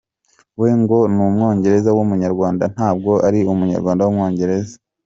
We ngo n’Umwongereza w’Umunyarwanda ntabwo ari Umunyarwanda w’Umwongereza.